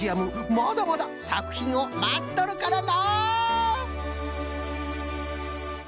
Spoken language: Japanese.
まだまださくひんをまっとるからの！